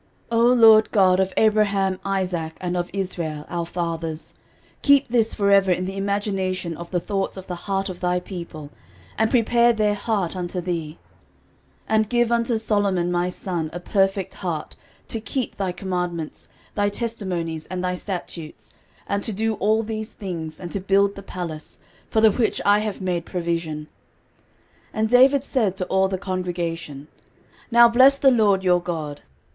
13:029:018 O LORD God of Abraham, Isaac, and of Israel, our fathers, keep this for ever in the imagination of the thoughts of the heart of thy people, and prepare their heart unto thee: 13:029:019 And give unto Solomon my son a perfect heart, to keep thy commandments, thy testimonies, and thy statutes, and to do all these things, and to build the palace, for the which I have made provision. 13:029:020 And David said to all the congregation, Now bless the LORD your God.